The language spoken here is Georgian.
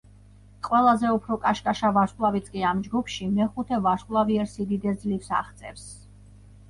ყველაზე უფრო კაშკაშა ვარსკვლავიც კი ამ ჯგუფში, მეხუთე ვარსკვლავიერ სიდიდეს ძლივს აღწევს.